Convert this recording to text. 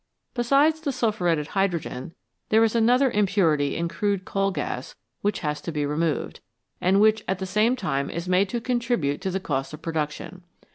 Besides the sulphuretted hydrogen, there is another im purity in crude coal gas which has to be removed, and which at the same time is made to contribute to the cost of production.